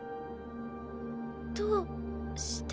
どうして？